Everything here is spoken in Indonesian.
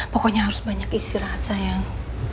pokoknya harus banyak istirahat sayang